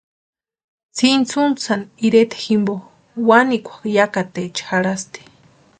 Tsʼintsutsani ireta jimpo wanikwa yakataecha jarhasti.